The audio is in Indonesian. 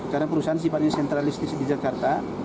karena perusahaan simpan ini sentralistis di jakarta